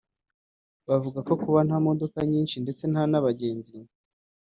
Bavuga ko kuba nta modoka nyinshi ndetse nta n’abagenzi